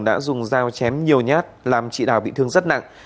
bao chém nhiều nhát làm chị đào bị thương rất nặng